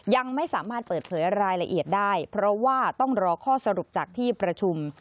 ยังไม่สามารถเปิดเผยรายละเอียดได้เพราะว่าต้องรอข้อสรุปจากที่ประชุม